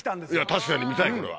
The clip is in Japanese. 確かに見たいこれは。